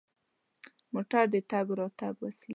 موټر د تګ راتګ وسیله ده.